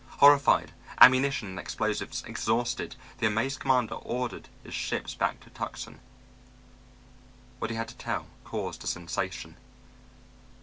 Horrified, ammunition and explosives exhausted, the amazed commander ordered his ships back to Tucson. What he had to tell caused a sensation.